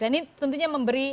dan ini tentunya memberikan